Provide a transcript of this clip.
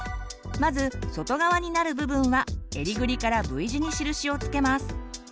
まず外側になる部分は襟ぐりからＶ字に印を付けます。